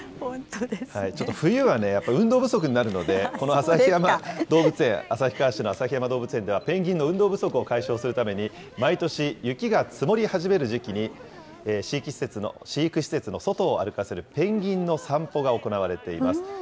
ちょっと冬はやっぱり運動不足になるので、この旭山動物園、旭川市の旭山動物園では、ペンギンの運動不足を解消するために、毎年、雪が積もり始める時期に、飼育施設の外を歩かせるペンギンの散歩が行われています。